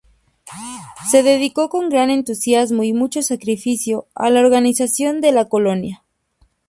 Se dedicó con gran entusiasmo y mucho sacrificio a la organización de la colonia.